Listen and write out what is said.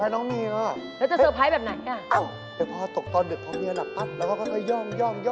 แล้วก็บอกเปิดประตูให้หน่อย